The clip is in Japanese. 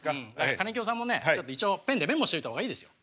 かねきよさんもねちょっと一応ペンでメモしといた方がいいですよ。